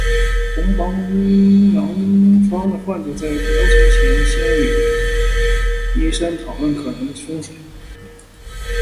红斑性狼疮的患者在疗程前应先与医生讨论可能的风险。